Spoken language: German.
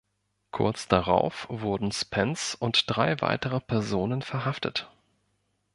Kurz darauf wurden Spence und drei weitere Personen verhaftet.